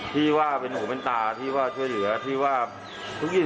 ที่ว่าเป็นหูเป็นตาที่ว่าช่วยเหลือที่ว่าทุกสิ่ง